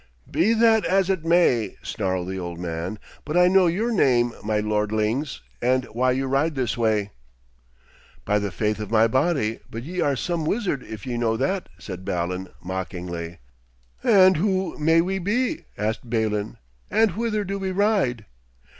'Be that as it may,' snarled the old man, 'but I know your name, my lordlings, and why you ride this way.' 'By the faith of my body, but ye are some wizard if ye know that,' said Balan mockingly. 'And who may we be?' asked Balin. 'And whither do we ride?'